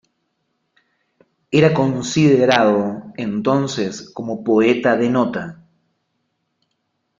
Era considerado entonces como "poeta de nota".